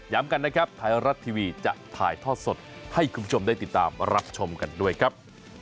กันนะครับไทยรัฐทีวีจะถ่ายทอดสดให้คุณผู้ชมได้ติดตามรับชมกันด้วยครับ